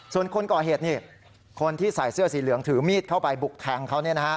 ส่วนคนก่อเหตุนี่คนที่ใส่เสื้อสีเหลืองถือมีดเข้าไปบุกแทงเขา